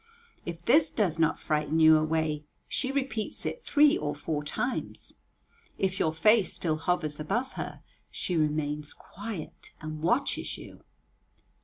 If this does not frighten you away, she repeats it three or four times. If your face still hovers above her, she remains quiet and watches you.